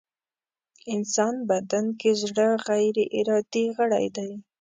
انسان بدن کې زړه غيري ارادې غړی دی.